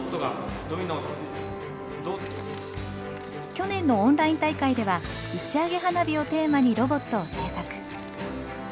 去年のオンライン大会では「打ち上げ花火」をテーマにロボットを製作。